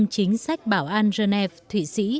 chính sách bảo an dznf t